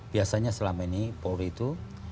biasanya selama ini polri itu